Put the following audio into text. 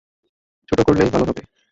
ছোট করলেই ভালো হবে।